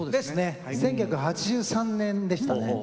１９８３年でしたね。